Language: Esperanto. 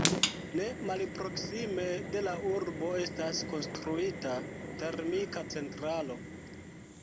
Ne malproksime de la urbo estas konstruita termika centralo.